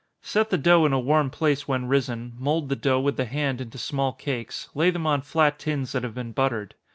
Set the dough in a warm place when risen, mould the dough with the hand into small cakes, lay them on flat tins that have been buttered.